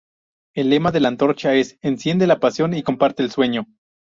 El lema de la antorcha es "Enciende la pasión y comparte el sueño".